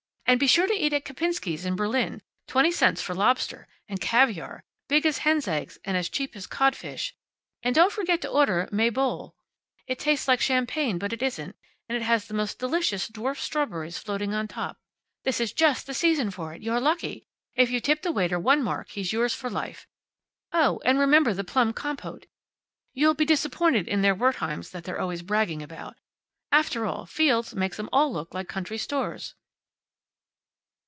"And be sure to eat at Kempinski's, in Berlin. Twenty cents for lobster. And caviar! Big as hen's eggs, and as cheap as codfish. And don't forget to order mai bowle. It tastes like champagne, but isn't, and it has the most delicious dwarf strawberries floating on top. This is just the season for it. You're lucky. If you tip the waiter one mark he's yours for life. Oh, and remember the plum compote. You'll be disappointed in their Wertheim's that they're always bragging about. After all, Field's makes 'em all look like country stores."